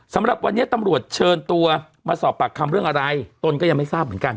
สำหรับวันนี้ตำรวจเชิญตัวมาสอบปากคำเรื่องอะไรตนก็ยังไม่ทราบเหมือนกัน